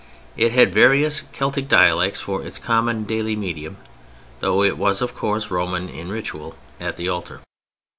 It had various Celtic dialects for its common daily medium, though it was, of course, Roman in ritual at the altar.